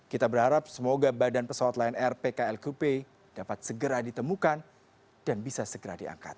kita berharap semoga badan pesawat lain rpk lqp dapat segera ditemukan dan bisa segera diangkat